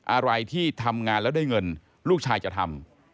อะไรที่ทำงานแล้วได้เงินลูกชายจะทำ